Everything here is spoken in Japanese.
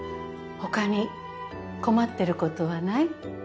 他に困ってることはない？